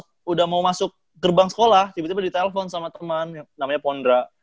tiba tiba udah mau masuk gerbang sekolah tiba tiba ditelepon sama teman namanya pondra